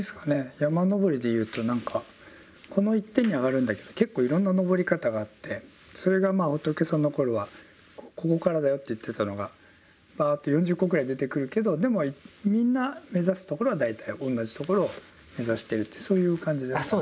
山登りで言うと何かこの１点に上がるんだけど結構いろんな登り方があってそれが仏様の頃はここからだよと言っていたのがぱっと４０個ぐらい出てくるけどでもみんな目指すところは大体同じ所を目指してるってそういう感じですかね。